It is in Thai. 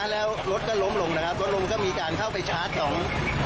แล้วก็เอาเอง